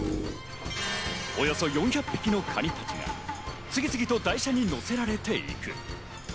およそ４００匹のかにが次々と台車に乗せられていく。